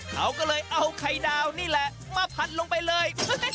เขาก็เลยเอาไข่ดาวนี่แหละมาผัดลงไปเลย